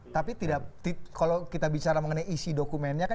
tapi kalau kita bicara mengenai isi dokumennya kan